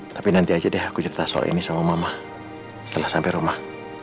tapi nanti aja deh aku cerita soal ini sama mama setelah sampai rumah